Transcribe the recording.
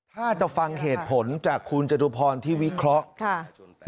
ถ้าจะฟังเหตุผลจากคุณจตุพรที่วิเคราะห์